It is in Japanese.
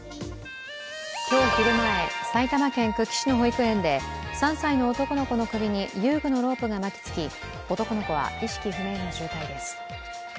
今日昼前、埼玉県久喜市の保育園で３歳の男の子の首に遊具のロープが巻きつき、男の子は意識不明の重体です。